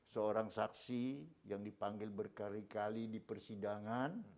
seorang saksi yang dipanggil berkali kali di persidangan